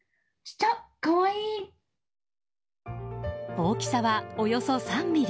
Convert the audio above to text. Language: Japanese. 大きさは、およそ３ｍｍ。